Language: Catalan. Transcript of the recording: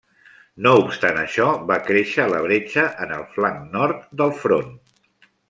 No obstant això, va créixer la bretxa en el flanc nord del Front.